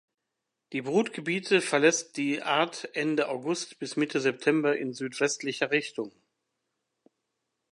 Die Brutgebiete verlässt die Art Ende August bis Mitte September in südwestlicher Richtung.